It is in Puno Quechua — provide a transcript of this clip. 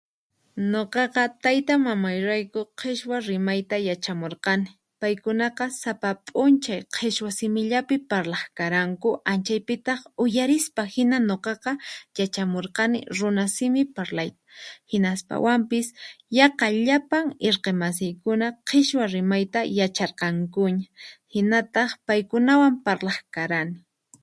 Nuqaqa taytamamayrayku qichwa rimayta yachamurqani, paykunaqa sapa p'unchay qichwa simillapi parlaq karanku anchaypitaq uyarispa hina nuqaqa yachamurqani runa simi parlayta hinaspawampis yaqa llapan irqimasiykuna qichwa rimayta yacharqankuña hinataq paykunawan parlaq karani.